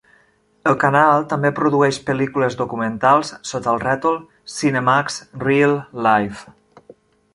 El canal també produeix pel·lícules documentals sota el rètol "Cinemax Reel Life".